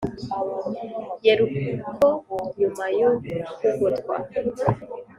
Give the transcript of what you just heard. Yeriko nyuma yo kugotwa